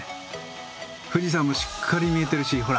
富士山もしっかり見えてるしほら。